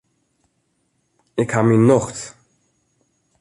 Ik ha myn nocht.